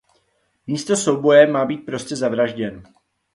Místo souboje má být prostě zavražděn.